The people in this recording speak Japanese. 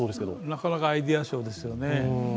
なかなかアイデア賞ですよね。